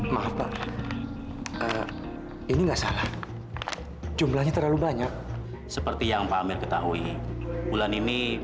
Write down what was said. maaf pak ini enggak salah jumlahnya terlalu banyak seperti yang pak amir ketahui bulan ini